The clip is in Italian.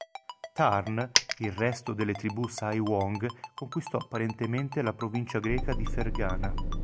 Tarn, "il resto delle tribù Sai-Wang conquistò apparentemente la provincia greca di Fergana.